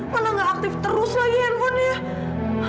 mana gak aktif terus lagi handphonenya